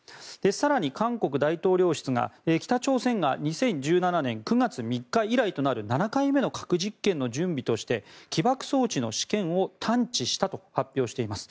更に、韓国大統領室が北朝鮮が２０１７年９月３日以来となる７回目の核実験の準備として起爆装置の試験を探知したと発表しています。